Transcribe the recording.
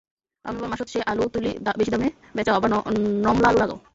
November মাসোত সেই আলু তুলি বেশি দামে বেচাও, আবার নমলা আলু লাগাও।